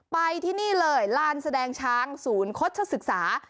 ไปที่นี่เลยลานแสดงช้างศูนย์โฆษศึกษา